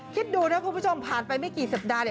คิดดูนะคุณผู้ชมผ่านไปไม่กี่สัปดาห์เนี่ย